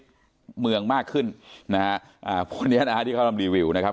เมืองมากขึ้นนะฮะอ่าพวกเนี้ยนะฮะที่เขาทำรีวิวนะครับ